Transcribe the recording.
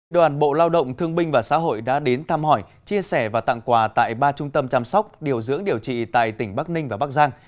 đoàn bộ lao động thương binh và xã hội đã đến thăm hỏi chia sẻ và tặng quà tại ba trung tâm chăm sóc điều dưỡng điều trị tại tỉnh bắc ninh và bắc giang